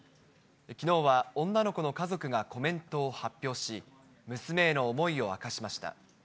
きのうは女の子の家族がコメントを発表し、娘への思いを明かしました。